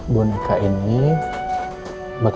tolong tahan dulu semoga aja